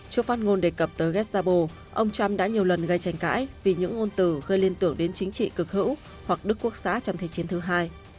trước phát ngôn đề cập tới gezabo ông trump đã nhiều lần gây tranh cãi vì những ngôn từ gây liên tưởng đến chính trị cực hữu hoặc đức quốc xã trong thế chiến thứ hai